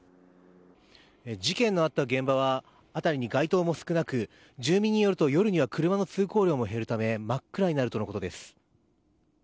事件のあった現場は辺りに街灯も少なく住民によると夜には車の通行量も減るため真っ暗になるとのことです。